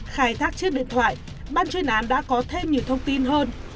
khai thác chiếc điện thoại ban chuyên án đã có thêm nhiều thông tin hơn